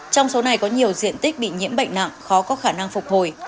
trong số này có nhiều diện tích bị nhiễm bệnh nặng khó có khả năng phục hồi